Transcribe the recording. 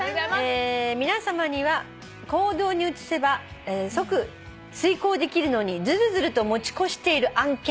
皆さまには行動に移せば即遂行できるのにずるずると持ち越している案件